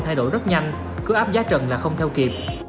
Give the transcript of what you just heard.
thay đổi rất nhanh cứ áp giá trần là không theo kịp